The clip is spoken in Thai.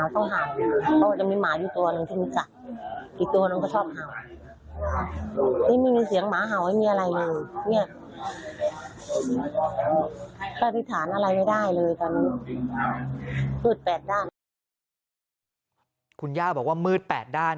ก็พิถารอะไรไม่ได้เลยรูปแบบคุณย่าบอกว่ามืดแปดด้าน